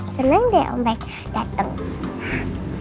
seneng deh om baik dateng